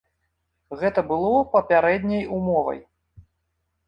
Гэта было папярэдняй умовай.